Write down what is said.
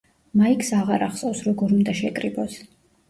მაიკს აღარ ახსოვს როგორ უნდა შეკრიბოს.